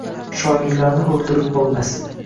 Shoirlarni oʻldirib boʻlmas –